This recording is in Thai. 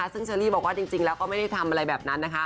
ซึ่งเชอรี่บอกว่าจริงแล้วก็ไม่ได้ทำอะไรแบบนั้นนะคะ